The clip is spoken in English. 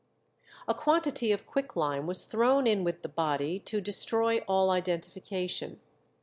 A quantity of quicklime was thrown in with the body to destroy all identification.